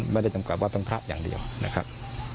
ไม่ได้จำกัดว่าต้องพระอย่างเดียวนะครับ